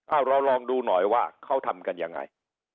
เอาเราลองดูหน่อยว่าเขาทำกันยังไง